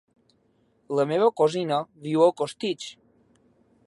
La meva cosina viu a Costitx.